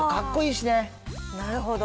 なるほど。